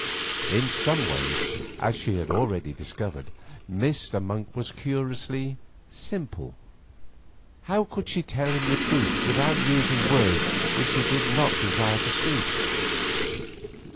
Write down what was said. In some ways, as she had already discovered, Mr. Monk was curiously simple. How could she tell him the truth without using words which she did not desire to speak?